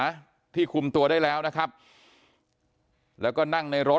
ซึ่งแต่ละคนตอนนี้ก็ยังให้การแตกต่างกันอยู่เลยว่าวันนั้นมันเกิดอะไรขึ้นบ้างนะครับ